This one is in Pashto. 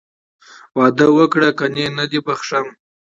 واده وکړه که نه نه دې بښم.